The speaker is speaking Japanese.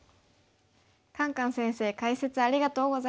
カンカン先生解説ありがとうございました。